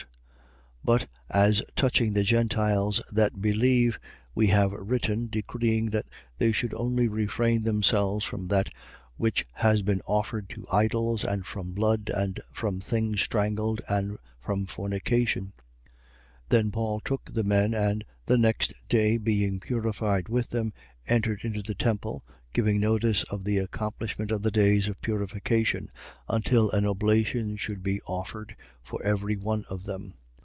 But, as touching the Gentiles that believe, we have written, decreeing that they should only refrain themselves from that which has been offered to idols and from blood and from things strangled and from fornication. 21:26. Then Paul took the men and, the next day being purified with them, entered into the temple, giving notice of the accomplishment of the days of purification, until an oblation should be offered for every one of them.